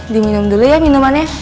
diminum dulu ya minumannya